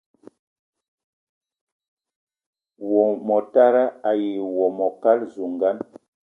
Wo motara ayi wo mokal zugan